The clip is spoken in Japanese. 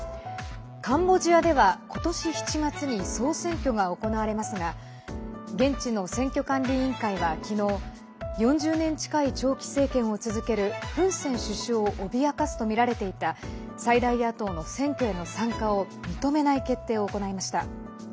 カンボジアでは今年７月に総選挙が行われますが現地の選挙管理委員会は昨日４０年近い長期政権を続けるフン・セン首相を脅かすとみられていた最大野党の選挙への参加を認めない決定を行いました。